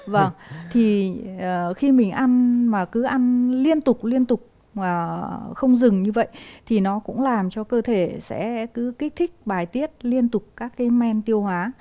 vâng thì khi mình ăn mà cứ ăn liên tục liên tục không dừng như vậy thì nó cũng làm cho cơ thể sẽ cứ kích thích bài tiết liên tục các cái men tiêu hóa